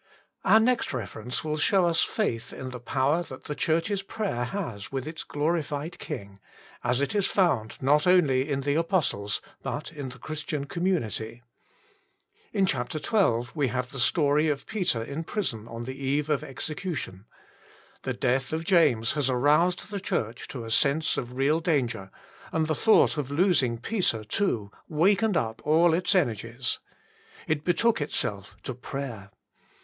Our next reference will show us faith in the power that the Church s prayer has with its glorified King, as it is found, not only in the apostles, but in the Christian community. In chapter xii. we have the story of Peter in prison on the eve of execution. The death of James had aroused the Church to a sense of real danger, and the thought of losing Peter too, wakened up all its energies. It betook itself to prayer.